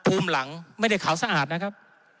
ภูมิหลังไม่ได้ขาวสะอาดนะครับ